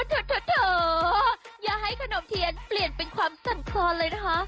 เถิอย่าให้ขนมเทียนเปลี่ยนเป็นความสั่นครอนเลยนะคะ